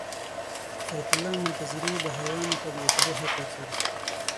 ایت الله منتظري بهايانو ته د اوسېدو حق ورکړ.